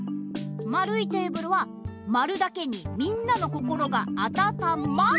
まるいテーブルはまるだけにみんなのこころがあたたまる！